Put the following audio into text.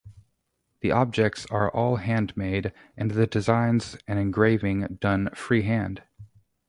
The objects are all handmade and the designs and engraving done free-hand.